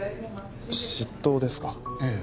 嫉妬ですかええ